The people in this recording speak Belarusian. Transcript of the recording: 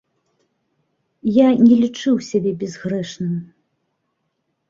Я не лічыў сябе бязгрэшным.